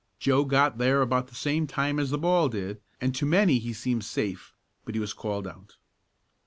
Joe got there about the same time as the ball did, and to many he seemed safe, but he was called out.